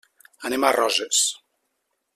Anem a Roses.